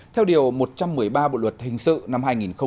theo điều một trăm một mươi ba bộ luật hình sự năm hai nghìn một mươi năm